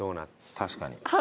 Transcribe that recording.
確かに。